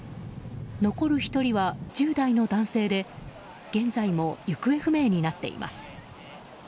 残る１人は１０代の男性で現在も行方不明になっています。